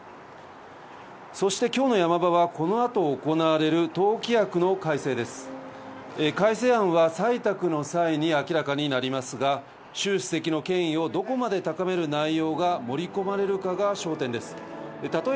そして今日の山場は、このあと行われる党規約の改正です、改正案は採択の際に明らかになりますが、シュウ主席の権威を、どこまで高める内容が盛り込まれるかが焦点です。